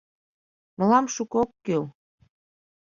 Мылам шуко ок кӱл.